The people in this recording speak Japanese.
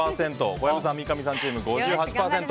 小籔さん、三上さんチーム５８％。